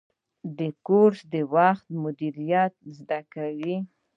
کورس د وخت مدیریت زده کوي.